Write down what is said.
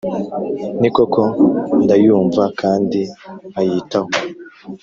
Ni koko ndayumva kandi nkayitaho,